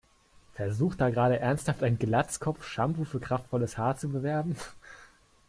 Versucht da gerade ernsthaft ein Glatzkopf, Shampoo für kraftvolles Haar zu bewerben?